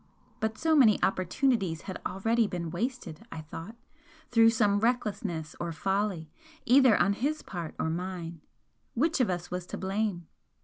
But so many opportunities had already been wasted, I thought, through some recklessness or folly, either on his part or mine. Which of us was to blame?